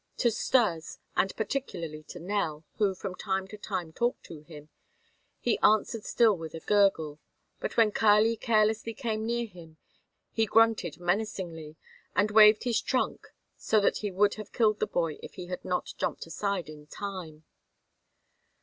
To Stas, and particularly to Nell, who from time to time talked to him, he answered still with a gurgle, but when Kali carelessly came near him he grunted menacingly and waved his trunk so that he would have killed the boy if he had not jumped aside in time.